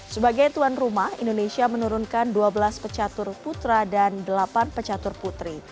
sebagai tuan rumah indonesia menurunkan dua belas pecatur putra dan delapan pecatur putri